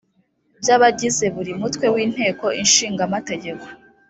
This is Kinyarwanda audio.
by abagize buri mutwe w inteko ishinga amategeko